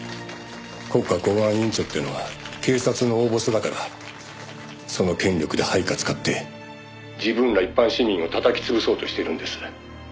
「国家公安委員長ってのは警察の大ボスだからその権力で配下使って自分ら一般市民をたたき潰そうとしてるんです」